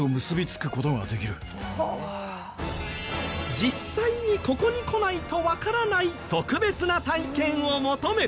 実際にここに来ないとわからない特別な体験を求めて。